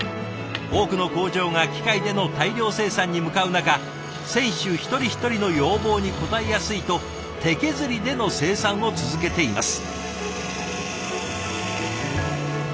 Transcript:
多くの工場が機械での大量生産に向かう中選手一人一人の要望に応えやすいと手削りでの生産を続けています。